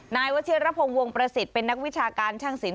นายวัชิรพงศ์วงประสิทธิ์เป็นนักวิชาการช่างสิน